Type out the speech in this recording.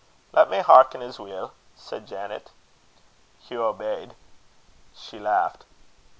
"Lat me hearken as weel," said Janet. Hugh obeyed. She laughed.